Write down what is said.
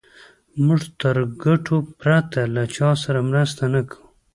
موږ تر ګټو پرته له چا سره مرسته نه کوو.